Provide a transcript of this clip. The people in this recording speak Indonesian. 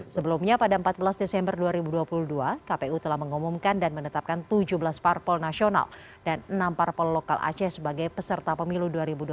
sebelumnya pada empat belas desember dua ribu dua puluh dua kpu telah mengumumkan dan menetapkan tujuh belas parpol nasional dan enam parpol lokal aceh sebagai peserta pemilu dua ribu dua puluh empat